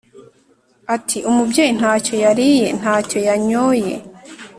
ati ‘umubyeyi nta cyo yariye nta cyo yanyoye,